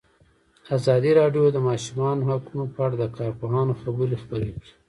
ازادي راډیو د د ماشومانو حقونه په اړه د کارپوهانو خبرې خپرې کړي.